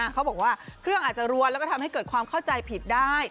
เขาบอกว่าเครื่องอาจจะรวนแล้วก็ทำให้เกิดความเข้าใจผิดได้